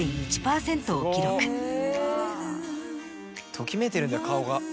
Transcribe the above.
ときめいてるんだよ顔が。